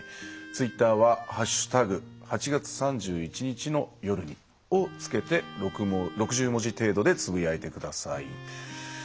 ツイッターは「＃８月３１日の夜に」を付けて６０文字程度でつぶやいてください。